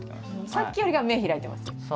さっきよりかは目開いてます。